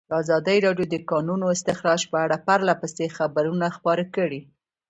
ازادي راډیو د د کانونو استخراج په اړه پرله پسې خبرونه خپاره کړي.